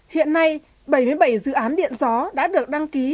hiện nay bảy mươi bảy dự án điện gió đã được đăng ký